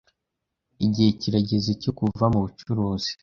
Igihe kirageze cyo kuva mubucuruzi.